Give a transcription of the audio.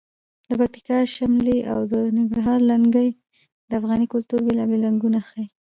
د پکتیا شملې او د ننګرهار لنګۍ د افغاني کلتور بېلابېل رنګونه ښیي.